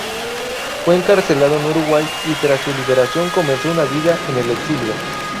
Fue encarcelado en Uruguay y tras su liberación comenzó una vida en el exilio.